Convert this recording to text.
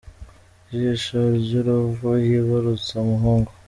Jisho ry’uruvu yibarutse umuhungu